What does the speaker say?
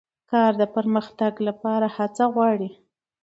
کار د پرمختګ لپاره هڅه غواړي